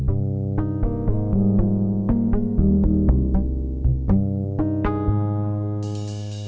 kau mau beli apa